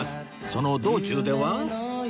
その道中では